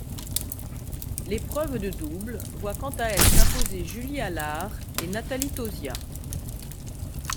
L'épreuve de double voit quant à elle s'imposer Julie Halard et Nathalie Tauziat.